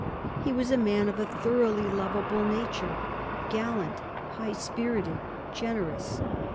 He was a man of a thoroughly lovable nature, gallant, high spirited, generous.